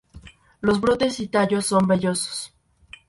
Los brotes y tallos son vellosos.